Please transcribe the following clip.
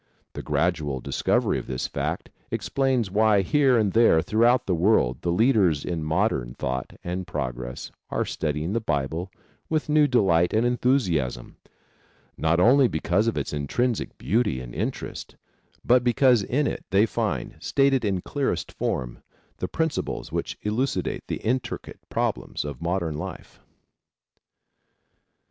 The gradual discovery of this fact explains why here and there through out the world the leaders in modern thought and progress are studying the Bible with new delight and enthusiasm; not only because of its intrinsic beauty and interest, but because in it they find, stated in clearest form, the principles which elucidate the intricate problems of modern life.